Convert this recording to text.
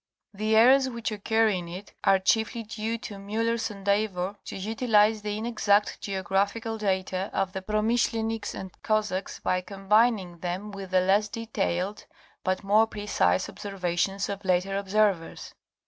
The errors which occur in it are chiefly due to Miller's endeavor to utilize the inexact geographical data of the Promyschleniks and Cossacks by combining them with the less detailed but more precise observations of later observers.